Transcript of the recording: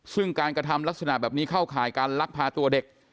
ซึ่งการกระทำลักษณะแบบนี้เข้าข่ายการลักพาตัวเด็ก